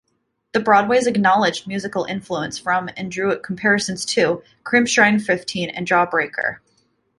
The Broadways acknowledged musical influence from and drew comparisons to Crimpshrine, Fifteen and Jawbreaker.